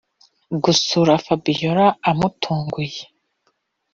gusura fabiora amutunguye.